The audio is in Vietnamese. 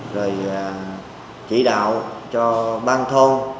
rồi chỉ đạo cho ban thôn